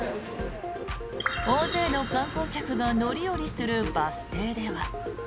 大勢の観光客が乗り降りするバス停では。